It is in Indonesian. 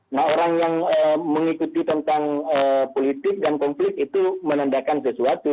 nah orang yang mengikuti tentang politik dan konflik itu menandakan sesuatu